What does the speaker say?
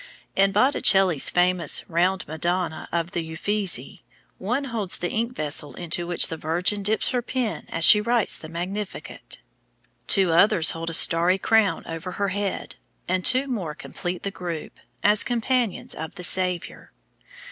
In Botticelli's famous "round Madonna" of the Uffizi, one holds the ink vessel into which the Virgin dips her pen as she writes the Magnificat, two others hold a starry crown over her head, and two more complete the group, as companions of the Saviour.